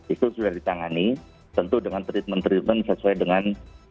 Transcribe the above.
itu sudah ditangani tentu dengan treatment treatment sesuai dengan